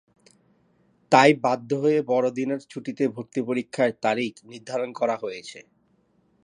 তাই বাধ্য হয়ে বড়দিনের ছুটিতে ভর্তি পরীক্ষার তারিখ নির্ধারণ করা হয়েছে।